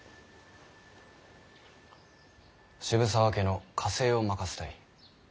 渋沢家の家政を任せたい。